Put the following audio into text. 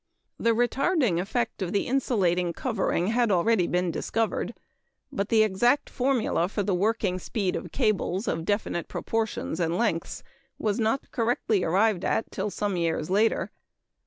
The retarding effect of the insulating covering had already been discovered; but the exact formula for the working speed of cables of definite proportions and lengths was not correctly arrived at till some years later.